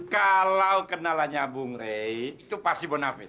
kalau kenalannya bung rey itu pasti bonafis